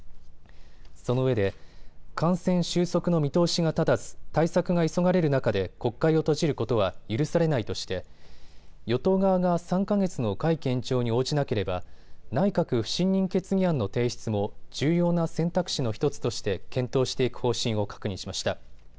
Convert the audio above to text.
そのうえで感染収束の見通しが立たず対策が急がれる中で国会を閉じることは許されないとして与党側が３か月の会期延長に応じなければ内閣不信任決議案の提出も重要な選択肢の１つとして検討していく方針を確認しました。